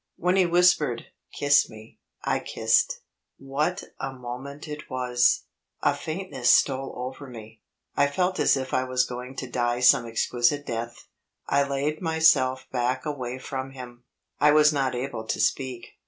When he whispered, "kiss me," I kissed. What a moment it was! A faintness stole over me; I felt as if I was going to die some exquisite death; I laid myself back away from him I was not able to speak.